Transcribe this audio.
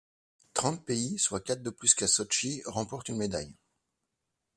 Trente pays, soit quatre de plus qu'à Sotchi, remportent une médaille.